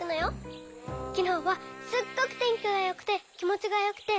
きのうはすっごくてんきがよくてきもちがよくて。